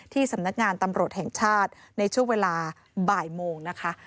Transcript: สำนักงานตำรวจแห่งชาติในช่วงเวลาบ่ายโมงนะคะ